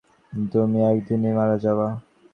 তুমি এক দিনেই মারা যাবা!